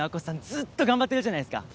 ずっと頑張ってるじゃないですか。